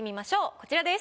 こちらです。